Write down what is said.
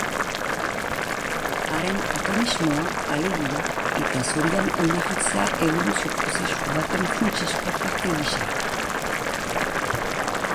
Haren atomismoa, alegia, eta zorian oinarritzea eboluzio-prozesu baten funtsezko parte gisa.